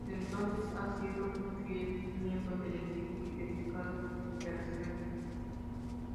Desde entonces ha sido un fiel miembro del equipo y dedicado a sus operaciones.